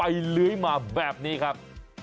โอโฮมันถาดไม่ได้